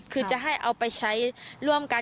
คือจะให้เอาไปใช้ร่วมกัน